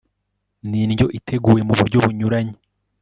ni indyo iteguwe mu buryo bunyuranye